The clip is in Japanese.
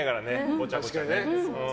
ごちゃごちゃね。